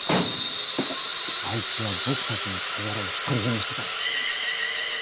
あいつは僕たちの手柄を独り占めしてたんだ。